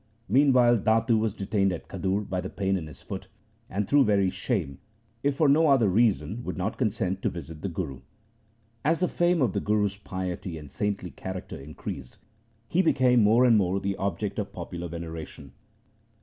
Mean while Datu was detained at Khadur by the pain in his foot, and through very shame, if for no other reason, would not consent to visit the Guru. As the fame of the Guru's piety and saintly char acter increased, he became more and more the object of popular veneration.